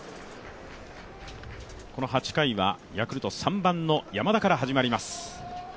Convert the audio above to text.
８回はヤクルト、３番の山田から始まります。